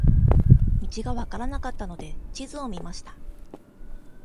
道が分からなかったので、地図を見ました。